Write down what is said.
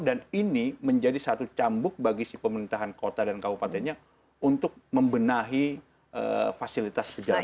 dan ini menjadi satu cambuk bagi si pemerintahan kota dan kabupatennya untuk membenahi fasilitas sejarah